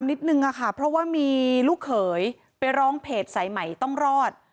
นิดนึงค่ะเพราะว่ามีลูกเขยไปร้องเพจสายใหม่ต้องรอด